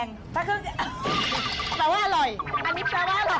เอาไปทำขายได้เลยเปิดร้านเลยชมพู